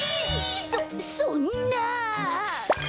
そそんな。